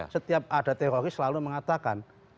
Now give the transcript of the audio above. setiap ada teroris selalu mengatakan